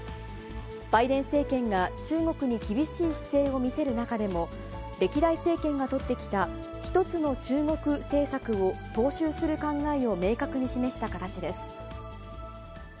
バイデン政権が中国に厳しい姿勢を見せる中でも、歴代政権が取ってきた一つの中国政策を踏襲する考えを明確に示した形です。